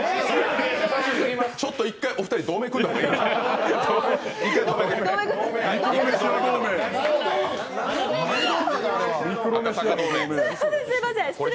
ちょっと１回、お二人、同盟組んだ方がいいかも。